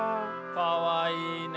かわいいね。